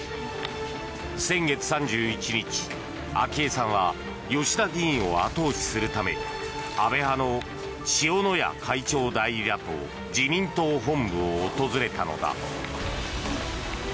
先月３１日昭恵さんは吉田議員を後押しするため安倍派の塩谷会長代理らと自民党本部を訪れたのだ。